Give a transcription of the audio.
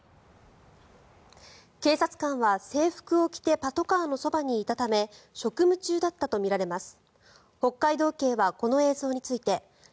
警察官は制服を着てパトカーのそばにいたため職務中だったとみられます。